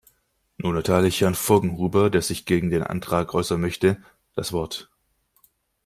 Nun erteile ich Herrn Voggenhuber, der sich gegen den Antrag äußern möchte, das Wort.